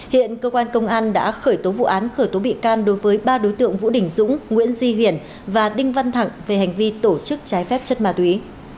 hiện cơ quan công an đã khởi tố vụ án khởi tố bị can đối với ba đối tượng vũ đình dũng nguyễn di hiển và đinh văn thẳng về hành vi tổ chức trái phép chất ma túy